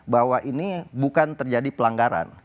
bahwa ini bukan terjadi pelanggaran